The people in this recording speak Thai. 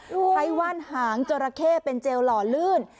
ใช้ว่านหางจราเข้เป็นเจลหล่อลื่น